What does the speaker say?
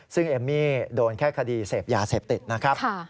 ซึ่งเอมมี่โดนแค่คดีเสพยาเสพติดนะครับ